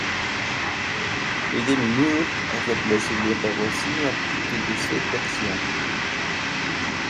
Le démineur a remplacé le Reversi à partir de cette version.